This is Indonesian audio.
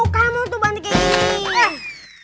kamu tuh banting kayak gini dong